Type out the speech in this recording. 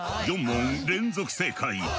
４問連続正解。